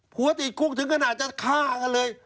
หัวติดคุกถึงขนาดจะฆ่ากันเลย